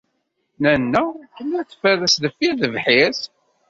Nanna tella tferres deffir tebḥirt.